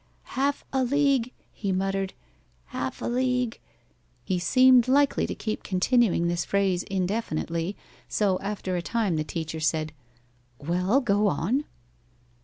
"Half a league," he muttered "half a league " He seemed likely to keep continuing this phrase indefinitely, so after a time the teacher said, "Well, go on."